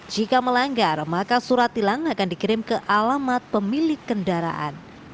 jika melanggar maka surat tilang akan dikirim ke alamat pemilik kendaraan